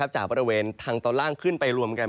จากบริเวณทางตอนล่างขึ้นไปรวมกัน